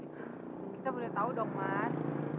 kita boleh tahu dong mas